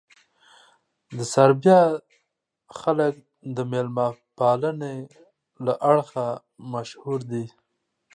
د سربیا خلک د مېلمه پالنې له اړخه مشهور دي.